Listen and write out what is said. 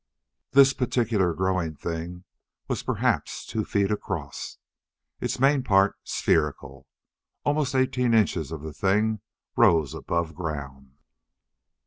This particular growing thing was perhaps two feet across, its main part spherical. Almost eighteen inches of the thing rose above ground.